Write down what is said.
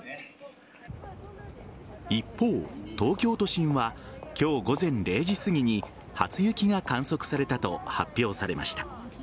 一方、東京都心は今日午前０時すぎに初雪が観測されたと発表されました。